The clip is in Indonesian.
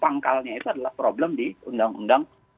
pangkalnya itu adalah problem di undang undang